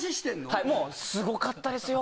はいはいもうすごかったですよ